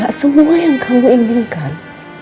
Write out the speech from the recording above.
bahwa gak semua yang kamu inginkan